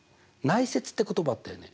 内接って言葉あったよね。